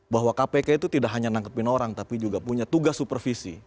bahwa kpk itu tidak hanya nangkepin orang tapi juga punya tugas supervisi